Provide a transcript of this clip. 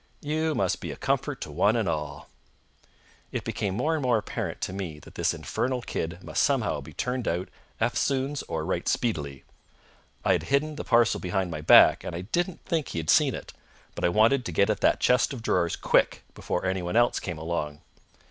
"You must be a comfort to one and all!" It became more and more apparent to me that this infernal kid must somehow be turned out eftsoons or right speedily. I had hidden the parcel behind my back, and I didn't think he had seen it; but I wanted to get at that chest of drawers quick, before anyone else came along.